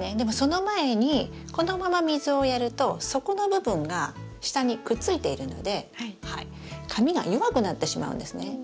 でもその前にこのまま水をやると底の部分が下にくっついているので紙が弱くなってしまうんですね。